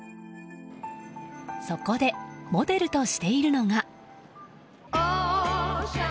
そこでモデルとしているのが。